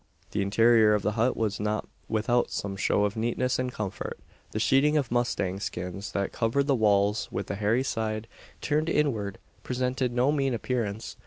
The interior of the hut was not without some show of neatness and comfort. The sheeting of mustang skins that covered the walls, with the hairy side turned inward, presented no mean appearance.